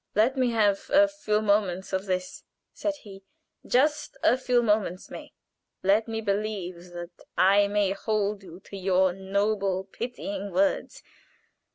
"Let me have a few moments of this," said he, "just a few moments, May. Let me believe that I may hold you to your noble, pitying words.